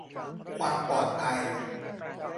ความปลอดภัย